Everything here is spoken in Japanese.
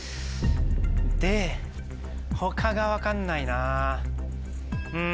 で他が分かんないなぁうん。